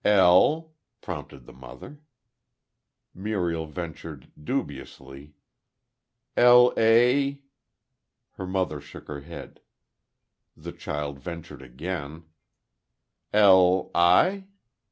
"L," prompted the mother. Muriel ventured, dubiously: "L a ?" Her mother shook her head. The child ventured again: "L i